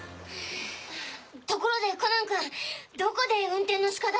ところでコナンくんどこで運転の仕方を？